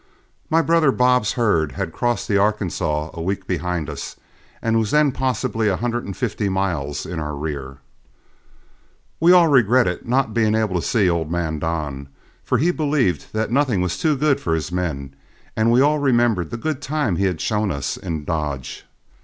My brother Bob's herd had crossed the Arkansaw a week behind us, and was then possibly a hundred and fifty miles in our rear. We all regretted not being able to see old man Don, for he believed that nothing was too good for his men, and we all remembered the good time he had shown us in Dodge.